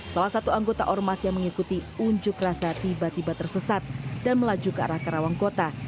salah satu anggota ormas yang mengikuti unjuk rasa tiba tiba tersesat dan melaju ke arah karawang kota